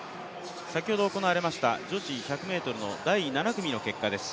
先ほど行われました女子１００ｍの第７組の結果です。